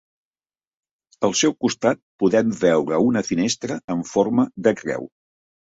Al seu costat podem veure una finestra en forma de creu.